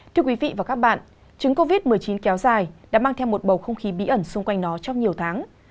thưa quý vị và các bạn trứng covid một mươi chín kéo dài đã mang theo một bầu không khí bí ẩn xung quanh nó trong nhiều tháng